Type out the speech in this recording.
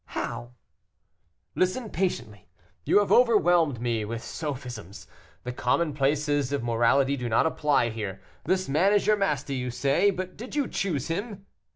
"How!" "Listen patiently; you have overwhelmed me with sophisms. The commonplaces of morality do not apply here; this man is your master, you say, but did you choose him?